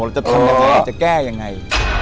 เราจะทำอย่างไรเราจะแก้อย่างไร